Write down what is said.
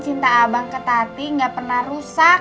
cinta abang k mutta ting nggak pernah rusak